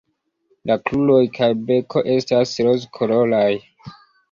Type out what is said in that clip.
La kruroj kaj beko estas rozkoloraj.